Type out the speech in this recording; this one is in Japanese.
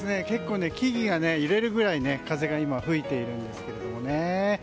結構、木々が揺れるくらい風が吹いているんですけども。